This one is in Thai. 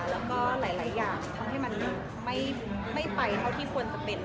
แล้วก็หลายอย่างทำให้มันไม่ไปเท่าที่ควรจะเป็น